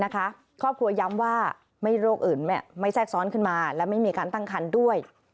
ครอบครัวย้ำว่าไม่โรคอื่นไม่แทรกซ้อนขึ้นมาและไม่มีการตั้งคันด้วย